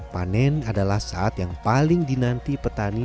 panen adalah saat yang paling dinanti petani